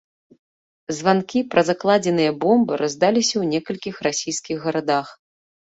Званкі пра закладзеныя бомбы раздаліся ў некалькіх расійскіх гарадах.